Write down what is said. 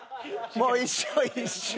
もう一緒一緒。